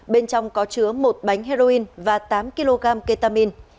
bên trong có chứa một bánh heroin và tám kg ketamin